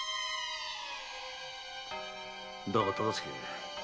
だが忠相。